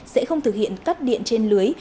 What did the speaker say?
sẽ không thực hiện cắt điện trên lưới